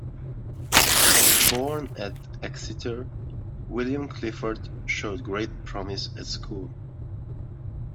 Born at Exeter, William Clifford showed great promise at school.